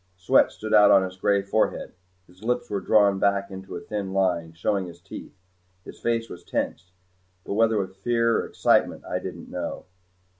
Sweat stood out on his gray forehead. His lips were drawn back into a thin line, showing his teeth. His face was tense, but whether with fear or excitement I didn't know.